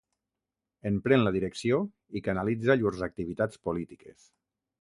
En pren la direcció i canalitza llurs activitats polítiques.